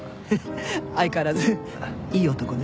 相変わらずいい男ね。